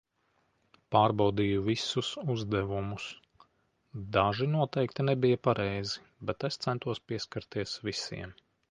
Pārbaudīju visus uzdevumus. Daži noteikti nebija pareizi, bet es centos pieskarties visiem.